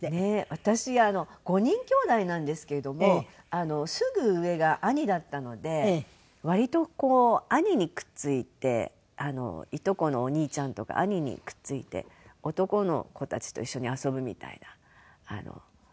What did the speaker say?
私５人きょうだいなんですけれどもすぐ上が兄だったので割とこう兄にくっついていとこのお兄ちゃんとか兄にくっついて男の子たちと一緒に遊ぶみたいな。